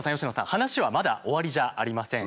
話はまだ終わりじゃありません。